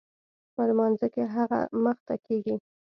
په لمانځه کښې هغه مخته کېږي.